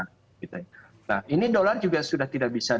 nah ini dolar juga sudah tidak bisa